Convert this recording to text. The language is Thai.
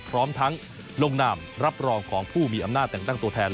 พร้อมทั้งลงนามรับรองของผู้มีอำนาจแต่งตั้งตัวแทน